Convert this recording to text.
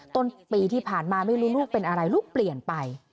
ต้นปีที่ผ่านมาไม่รู้ลูกเป็นอะไรลูกเปลี่ยนไป